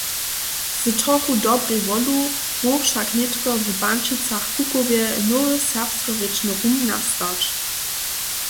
Z trochu dobrej wolu móhł wšak nětko w Pančicach-Kukowje nowy serbskorěčny rum nastać.